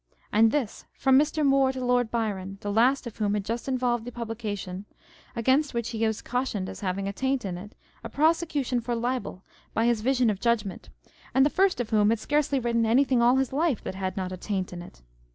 And this from Mr. Moore to Lord Byron â€" the last of whom had just involved the publication, against which he was cautioned as having a taint in it, in a prosecution for libel by his Vision of Judgment, and the first of whom had scarcely written any thing all his life that had not a taint in it.